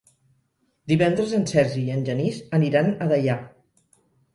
Divendres en Sergi i en Genís aniran a Deià.